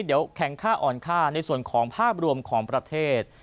เดี๋ยวแข็งค่าอ่อนค่าในส่วนของภาพรวมของประเทศ